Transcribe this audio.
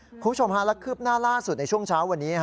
คุณผู้ชมฮะและคืบหน้าล่าสุดในช่วงเช้าวันนี้